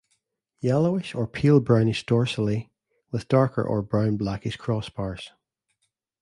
Yellowish or pale brownish dorsally, with darker brown or blackish crossbars.